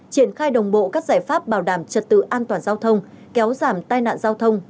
triển khai đồng bộ các giải pháp bảo đảm trật tự an toàn giao thông kéo giảm tai nạn giao thông